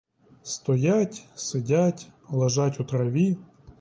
Стоять, сидять, лежать у траві.